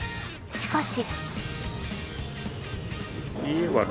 しかし。